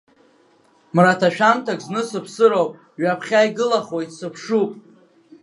Мраҭашәамҭак зны сыԥсыроуп, ҩаԥхьа игылахуеит сыԥшуп.